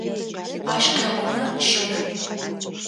Ащ къеӏомэ, щэрыу!